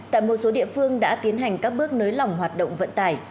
tại một số địa phương đã tiến hành các bước nới lỏng hoạt động vận tải